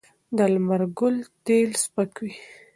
د لمر ګل تېل سپک وي.